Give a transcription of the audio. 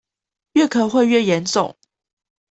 越咳會越嚴重